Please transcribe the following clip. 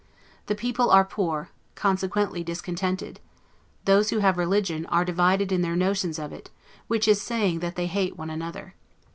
The people are poor, consequently discontented; those who have religion, are divided in their notions of it; which is saying that they hate one another.